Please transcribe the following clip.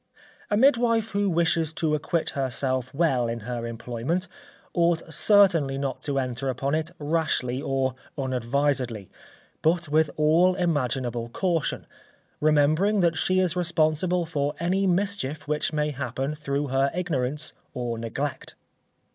_ A midwife who wishes to acquit herself well in her employment, ought certainly not to enter upon it rashly or unadvisedly, but with all imaginable caution, remembering that she is responsible for any mischief which may happen through her ignorance or neglect.